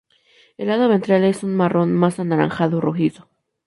El lado ventral es un marrón más anaranjado rojizo.